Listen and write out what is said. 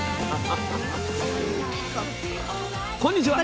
こんにちは。